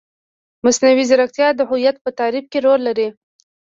مصنوعي ځیرکتیا د هویت په تعریف کې رول لري.